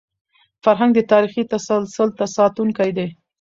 فرهنګ د تاریخي تسلسل ساتونکی دی.